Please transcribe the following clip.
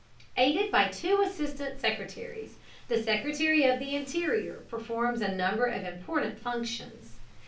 Aided by two assistant secretaries, the Secretary of the Interior performs a number of important functions.